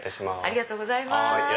ありがとうございます。